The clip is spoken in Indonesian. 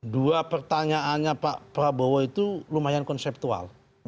dua pertanyaannya pak prabowo itu lumayan konseptual